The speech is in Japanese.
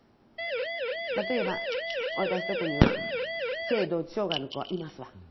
例えば私のとこには性同一性障害の子がいますわ。